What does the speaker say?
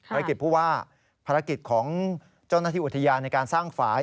ภารกิจผู้ว่าภารกิจของเจ้าหน้าที่อุทยานในการสร้างฝ่าย